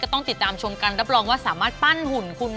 ต้องติดตามชมกันรับรองว่าสามารถปั้นหุ่นคุณนะ